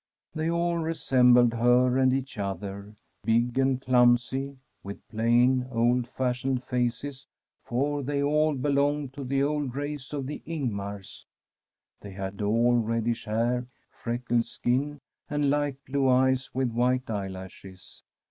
They all resembled her and each other, big and clumsy, with plain, old fashioned faces, for they all belonged to the old race of the Ing^ars. They had all reddish hair, freckled skin, and light blue eyes with white eyelashes.